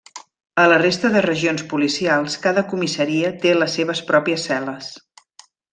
A la resta de regions policials cada comissaria té les seves pròpies cel·les.